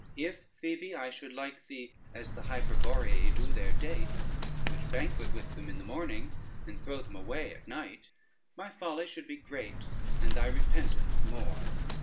If, Phoebe, I should like thee as the Hyperborei do their dates, which banquet with them in the morning and throw them away at night, my folly should be great, and thy repentance more.